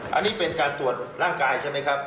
อันนี้เป็นการตรวจร่างกายใช่ไหมครับ